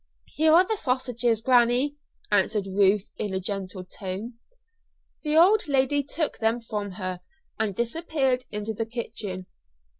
"Here are the sausages, granny," answered Ruth in a gentle tone. The old lady took them from her and disappeared into the kitchen.